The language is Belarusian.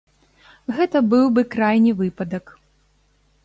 Гэта быў бы крайні выпадак.